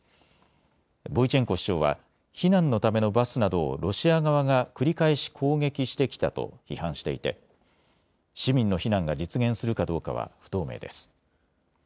ボイチェンコ市長は避難のためのバスなどをロシア側が繰り返し攻撃してきたと批判していて市民の避難が実現するかどうかは不透明です。